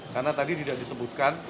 karena tadi tidak disebutkan